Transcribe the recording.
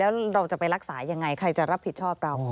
แล้วเราจะไปรักษายังไงใครจะรับผิดชอบเรา